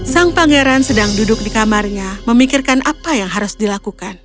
sang pangeran sedang duduk di kamarnya memikirkan apa yang harus dilakukan